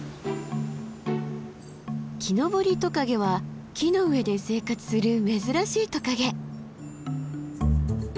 キノボリトカゲは木の上で生活する珍しいトカゲ。